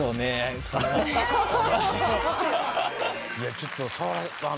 いやちょっと。